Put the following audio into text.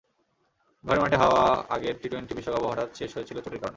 ঘরের মাঠে হওয়া আগের টি-টোয়েন্টি বিশ্বকাপও হঠাৎ শেষ হয়েছিল চোটের কারণে।